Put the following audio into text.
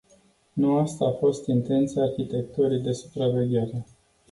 Nu asta a fost intenția arhitecturii de supraveghere.